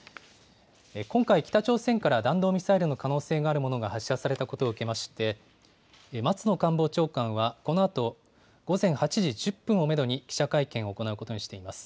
今回、北朝鮮から弾道ミサイルの可能性があるものが発射されたことを受けまして、松野官房長官は、このあと午前８時１０分をメドに記者会見を行うことにしています。